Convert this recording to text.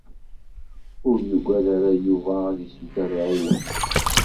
Ur yugad ara Yuba ad isuter aɛiwen.